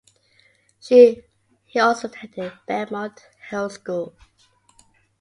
He also attended Belmont Hill School.